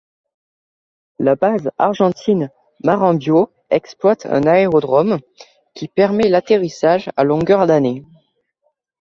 La base argentine Marambio exploite un aérodrome qui permet l'atterrissage à longueur d'année.